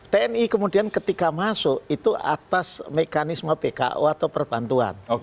tni kemudian ketika masuk itu atas mekanisme bko atau perbantuan